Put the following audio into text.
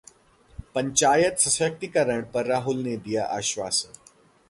पंचायत सशक्तिकरण पर राहुल ने दिया आश्वासन